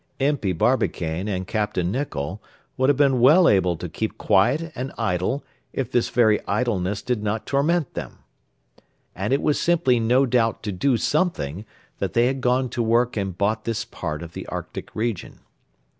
Impey Barbicane and Capt. Nicholl would have been well able to keep quiet and idle if this very idleness did not torment them. And it was simply no doubt to do something that they had gone to work and bought this part of the Arctic region.